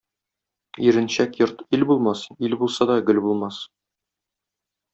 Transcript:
Иренчәк йорт ил булмас, ил булса да гөл булмас.